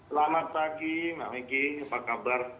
selamat pagi mbak megi apa kabar